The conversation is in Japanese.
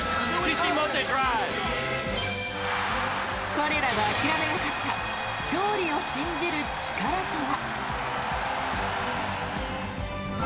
彼らが諦めなかった勝利を信じる力とは。